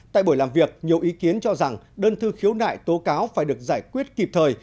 tại buổi làm việc nhiều ý kiến cho rằng đơn thư khiếu nại tố cáo phải được giải quyết kịp thời